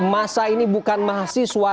masa ini bukan mahasiswa